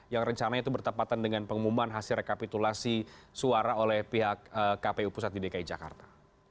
yang rencananya itu bertepatan dengan pengumuman hasil rekapitulasi suara oleh pihak kpu pusat di dki jakarta